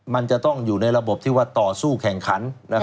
มันจะต้องอยู่ในระบบที่ว่าต่อสู้แข่งขัน